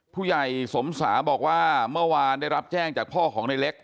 ผู้ใหญ่สมสาบอกว่าเมื่อวานได้รับแจ้งจากพ่อของในเล็ก